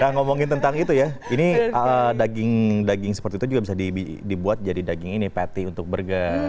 nah ngomongin tentang itu ya ini daging daging seperti itu juga bisa dibuat jadi daging ini patty untuk burger